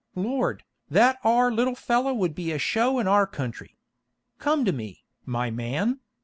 Lord! that are little feller would be a show in our country. Come to me, my man."